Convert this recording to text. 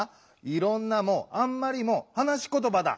「いろんな」も「あんまり」もはなしことばだ。